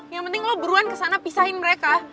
yang penting lo buruan kesana pisahin mereka